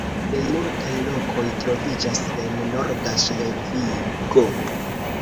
Plej multaj lokoj troviĝas en norda Ŝlesvigo.